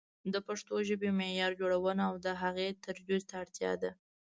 د پښتو ژبې معیار جوړونه او د هغې ترویج ته اړتیا ده.